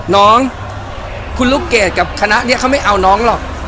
น้องคุณลูกเกดกับคณะนี้เขาไม่เอาน้องหรอก